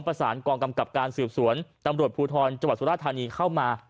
ประสานกองกำกับการสืบสวนตำรวจภูทรจังหวัดสุราธานีเข้ามา